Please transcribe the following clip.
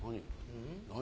何？